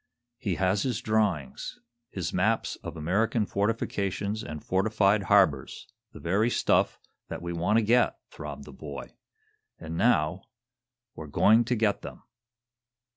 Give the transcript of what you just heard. "He has his drawings his maps of American fortifications and fortified harbors the very stuff that we want to get!" throbbed the boy. "And now we're going to get them!"